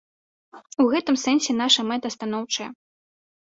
І ў гэтым сэнсе наша мэта станоўчая.